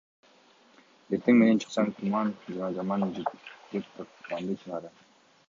Эртең менен чыксаң — туман жана жаман жыт, – деп даттанды Чынара.